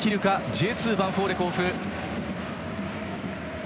Ｊ２ヴァンフォーレ甲府。